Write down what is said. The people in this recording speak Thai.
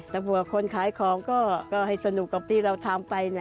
แต่เผื่อคนขายของก็ให้สนุกกับที่เราทำไป